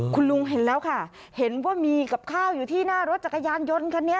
คุณลุงเห็นแล้วค่ะเห็นว่ามีกับข้าวอยู่ที่หน้ารถจักรยานยนต์คันนี้